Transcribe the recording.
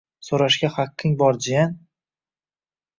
So‘rashga haqqing bor jiyan!